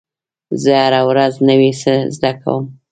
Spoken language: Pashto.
زه هره ورځ نوی څه زده کوم.